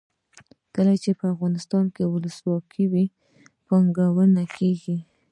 کله چې افغانستان کې ولسواکي وي پانګونه کیږي.